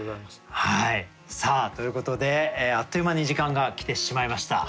さあということであっという間に時間が来てしまいました。